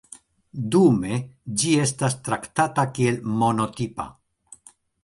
Dume ĝi estas traktata kiel monotipa.